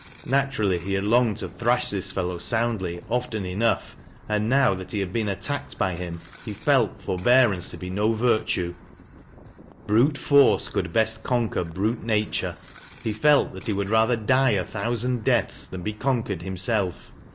Naturally, he had longed to thrash this fellow soundly often enough, and now that ho had been attacked by him, he felt forbearance to be uo virtue. Brute force could best conquer brute nature. He felt that he would rather die a thoiisand deaths than be conquered himself.